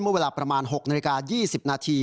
เวลาประมาณ๖นาฬิกา๒๐นาที